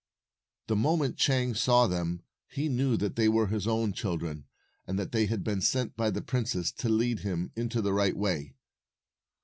The moment Chang saw them, he knew they were his own children, and that they had been sent by the princess to lead him into the right way.